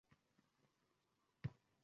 Bilib chiqmaydi